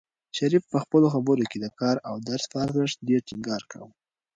شریف په خپلو خبرو کې د کار او درس په ارزښت ډېر ټینګار کاوه.